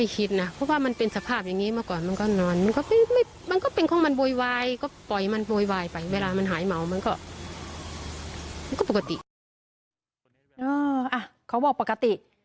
เขาบอกปกติ